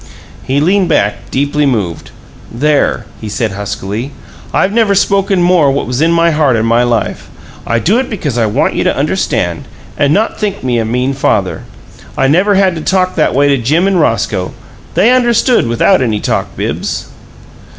He leaned back, deeply moved. "There!" he said, huskily. "I've never spoken more what was in my heart in my life. I do it because I want you to understand and not think me a mean father. I never had to talk that way to Jim and Roscoe. They understood without any talk, Bibbs."